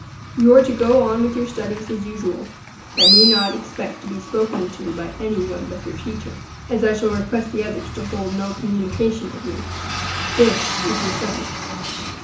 You are to go on with your studies as usual, but need not expect to be spoken to by any one but your teacher, as I shall request the others to hold no communication with you. This is your sentence.